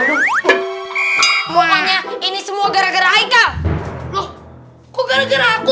ini semua gara gara